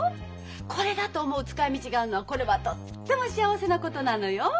これだと思う使いみちがあるのはこれはとっても幸せなことなのよ。